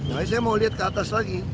tapi saya mau lihat ke atas lagi